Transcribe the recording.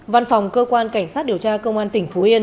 văn phòng cơ quan cảnh sát điều tra công an tỉnh phú yên